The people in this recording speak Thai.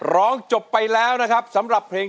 ร้องไปกับสายน้ำง